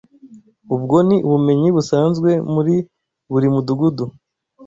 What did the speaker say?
Ubwo ni ubumenyi busanzwe muri buri mudugudu.